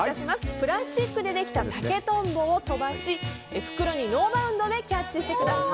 プラスチックでできた竹とんぼを飛ばし袋にノーバウンドでキャッチしてください。